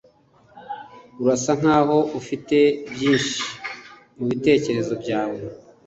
Urasa nkaho ufite byinshi mubitekerezo byawe.